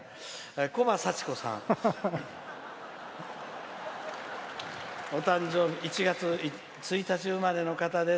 こばさちこさん１月１日生まれの方です。